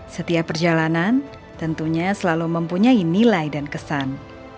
setiap perjalanan tentunya selalu mempunyai nilai dan kesan